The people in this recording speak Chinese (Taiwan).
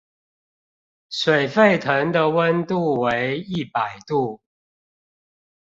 水沸騰的溫度為一百度